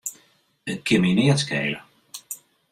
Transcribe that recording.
It kin my neat skele.